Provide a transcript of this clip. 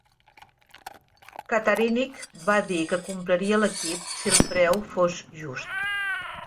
Cattarinich va dir que compraria l'equip si el preu fos just.